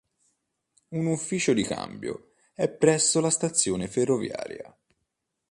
Un ufficio di cambio è presso la stazione ferroviaria.